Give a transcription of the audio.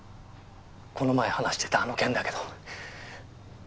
この前話してたあの件だけど。